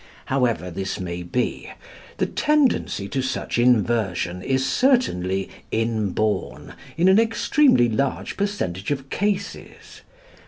However this may be, the tendency to such inversion is certainly inborn in an extremely large percentage of cases.